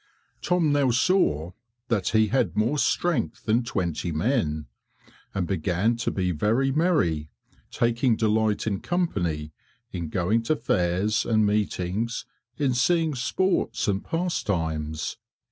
Tom now saw that he had more strength than twenty men, and began to be very merry, taking delight in company, in going to fairs and meetings, in seeing sports and pastimes.